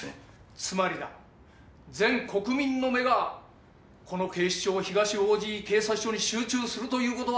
つまりだ全国民の目がこの警視庁東王子警察署に集中するということは。